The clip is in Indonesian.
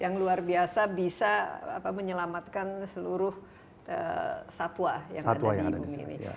yang luar biasa bisa menyelamatkan seluruh satwa yang ada di bumi ini